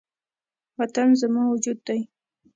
وطن زما وجود دی